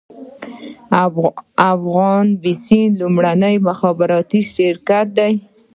افغان بیسیم لومړنی مخابراتي شرکت دی